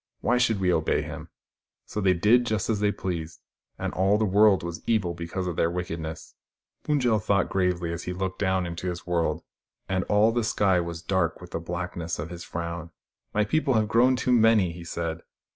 Why should we obey him ?" So they did just as they pleased, and all the world was evil because of their wickedness. Pund jel thought gravely as he looked down into his world, and all the sky was dark with the black ness of his frown. " My people have grown too many," he said.